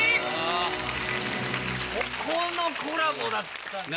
ここのコラボだったんです。